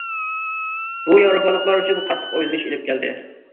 بۇ ياۋروپالىقلار ئۈچۈن قاتتىق ئويلىنىش ئېلىپ كەلدى.